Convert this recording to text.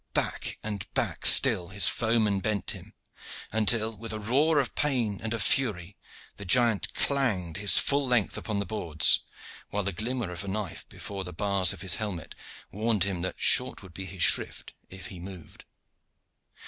Back and back still his foeman bent him, until, with a roar of pain and of fury, the giant clanged his full length upon the boards, while the glimmer of a knife before the bars of his helmet warned him that short would be his shrift if he moved.